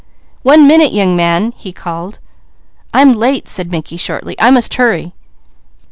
"One minute, young man!" he called. "I'm late," said Mickey shortly. "I must hurry."